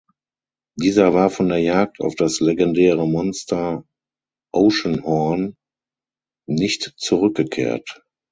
Dieser war von der Jagd auf das legendäre Monster Oceanhorn nicht zurückgekehrt.